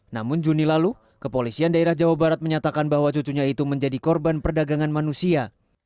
namun juni lalu kepolisian daerah jawa barat menyatakan bahwa cucunya itu menjadi korban perdagangan manusia